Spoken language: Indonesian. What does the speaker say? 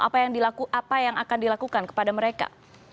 apa yang akan dilakukan kepada mereka